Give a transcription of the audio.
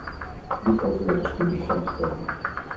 Dit overleg is goed op gang gekomen.